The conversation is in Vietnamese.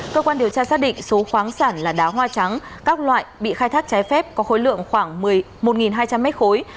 cơ quan điều tra xác định số khoáng sản là đá hoa trắng các loại bị khai thác trái phép có khối lượng khoảng một mươi một hai trăm linh mét khối